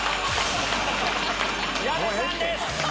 矢部さんです！